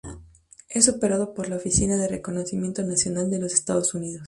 Es operado por la Oficina de Reconocimiento Nacional de los Estados Unidos.